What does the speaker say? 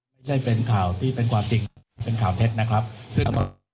ไม่ใช่เป็นข่าวที่เป็นความจริงเป็นข่าวเท็จนะครับซึ่ง